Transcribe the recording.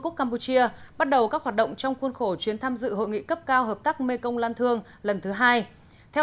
các bạn hãy đăng ký kênh để ủng hộ kênh của chúng mình nhé